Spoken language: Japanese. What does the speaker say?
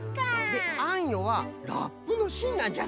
であんよはラップのしんなんじゃって。